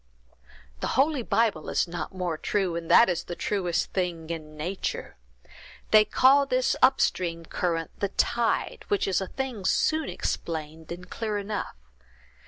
"The holy Bible is not more true, and that is the truest thing in nature. They call this up stream current the tide, which is a thing soon explained, and clear enough.